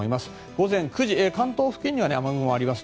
午前９時、関東付近には雨雲があります。